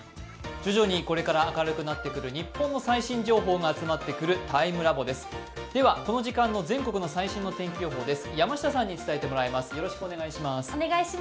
徐々にこれから明るくなってくる日本の最新情報が集まってくるＴＩＭＥＬＡＢＯです、この時間の現在の最新の天気予報です。